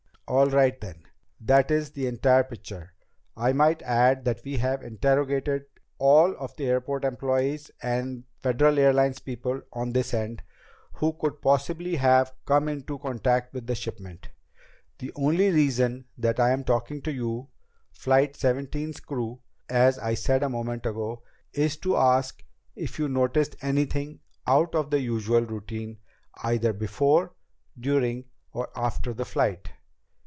"All right, then. That is the entire picture. I might add that we have interrogated all of the airport employees and Federal Airlines people on this end who could possibly have come into contact with the shipment. The only reason that I am talking to you, Flight Seventeen's crew, as I said a moment ago, is to ask if you noticed anything out of the usual routine either before, during, or after the flight."